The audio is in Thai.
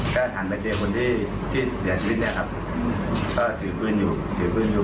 ก็หันไปเจอคนที่ที่เสียชีวิตเนี่ยครับก็ถือปืนอยู่ถือปืนอยู่